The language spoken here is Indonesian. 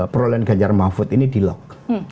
perolehan ganjar mahfud ini di lock